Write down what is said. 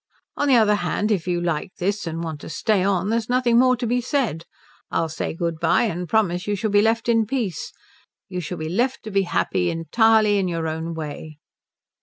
On the other hand, if you like this and want to stay on there's nothing more to be said. I'll say good bye, and promise you shall be left in peace. You shall be left to be happy entirely in your own way."